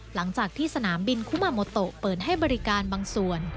หลังจากที่สนามบินคุมาโมโตะเปิดให้บริการบางส่วน